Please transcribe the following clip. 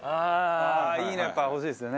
いいのがやっぱ欲しいですよね。